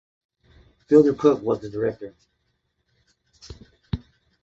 Fielder Cook was the director.